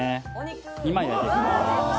２枚焼いていきます。